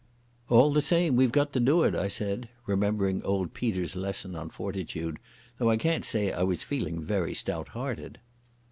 "All the same we've got to do it," I said, remembering old Peter's lesson on fortitude, though I can't say I was feeling very stout hearted.